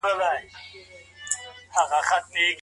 زه به ستا د دوستانو سره تل ښه سلوک کوم.